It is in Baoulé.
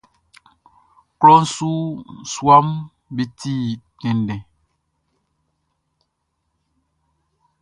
Klɔʼn su suaʼm be ti tɛnndɛn.